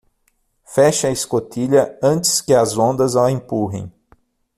Feche a escotilha antes que as ondas a empurrem.